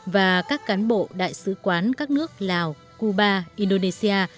và các cán bộ đại sứ quán các nước lào cuba indonesia